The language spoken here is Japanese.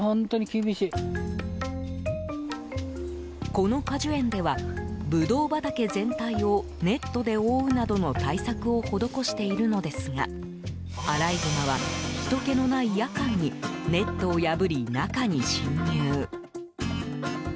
この果樹園ではブドウ畑全体をネットで覆うなどの対策を施しているのですがアライグマはひとけのない夜間にネットを破り、中に侵入。